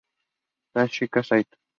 Takashi Saito